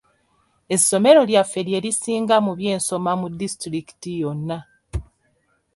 Essomero lyaffe lye lisinga mu byensoma mu disitulikiti yonna.